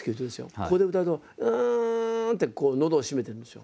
ここで歌うと「ウン」ってこうのどを締めてるんですよ。